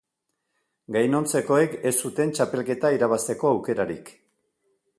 Gainontzekoek ez zuten txapelketa irabazteko aukerarik.